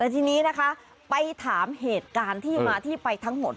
ทีนี้นะคะไปถามเหตุการณ์ที่มาที่ไปทั้งหมด